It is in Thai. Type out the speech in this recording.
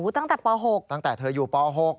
ตั้งแต่ป๖ตั้งแต่เธออยู่ป๖